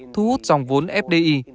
thu hút dòng vốn fdi